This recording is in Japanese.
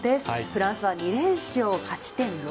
フランスは２連勝で勝ち点６。